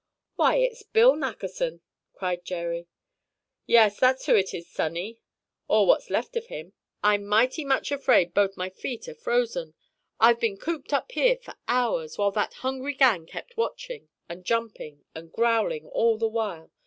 "Why, it's Bill Nackerson!" cried Jerry. "Yes, that's who it is, sonny, or what's left of him; because I'm mighty much afraid both my feet are frozen. I've been cooped up here for hours, while that hungry gang kept watching and jumping and growling all the while.